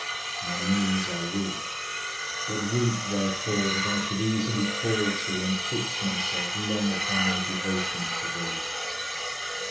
My knees are weak, but weak therefore that I should easily fall to and fix myself long upon my devotions to thee.